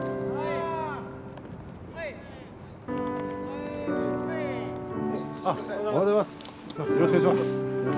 よろしくお願いします。